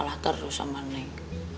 malah terus sama neng